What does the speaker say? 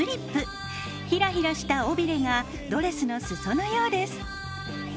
ひらひらした尾びれがドレスの裾のようです。